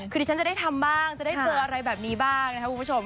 คือดิฉันจะได้ทำบ้างจะได้เจออะไรแบบนี้บ้างนะครับคุณผู้ชม